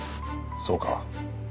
そうか。